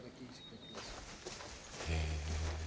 へえ。